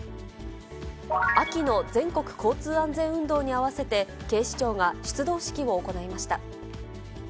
秋の全国交通安全運動に合わせて、警視庁が出動式を行いました。